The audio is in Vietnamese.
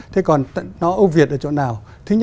thế còn nó ưu việt ở chỗ nào